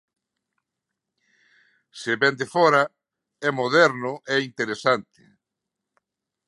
Se vén de fóra é moderno e interesante.